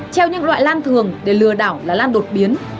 treo những loại lan thường để lừa đảo là lan đột biến